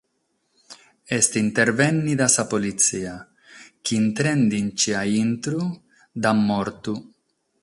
Est intervènnida sa politzia chi, intrende·nche a intro, l'at mortu.